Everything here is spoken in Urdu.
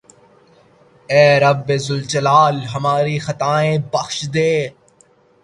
اے رب ذوالجلال ھماری خطائیں بخش دے